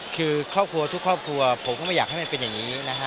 คือครอบครัวทุกครอบครัวผมก็ไม่อยากให้มันเป็นอย่างนี้นะฮะ